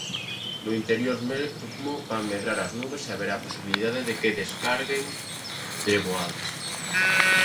No interior mesmo van medrar as nubes e haberá posibilidade de que descarguen treboadas.